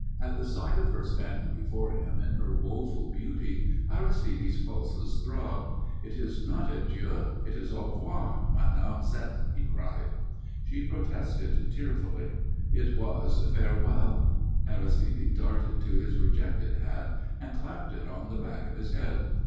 At the sight of her standing before him in her woeful beauty, Aristide's pulses throbbed. "It is not adieu it is au revoir, Mme. Zette," he cried. She protested tearfully. It was farewell. Aristide darted to his rejected hat and clapped it on the back of his head.